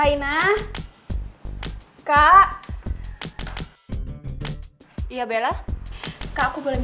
yang ini hanya sd collaborate saham ya